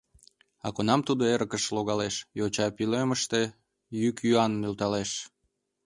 А кунам тудо эрыкыш логалеш, йоча пӧлемыште йӱк-йӱан нӧлталтеш.